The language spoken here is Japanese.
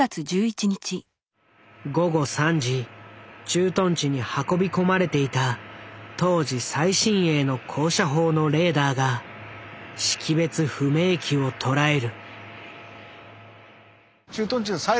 駐屯地に運び込まれていた当時最新鋭の高射砲のレーダーが識別不明機を捉える。